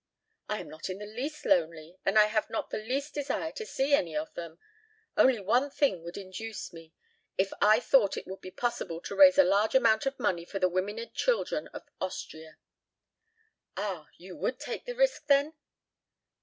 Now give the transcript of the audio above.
"I am not in the least lonely and I have not the least desire to see any of them. Only one thing would induce me if I thought it would be possible to raise a large amount of money for the women and children of Austria." "Ah! You would take the risk, then?"